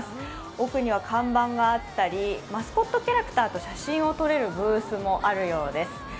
奥には看板があったり、マスコットキャラクターと写真を撮れるブースもあるようです。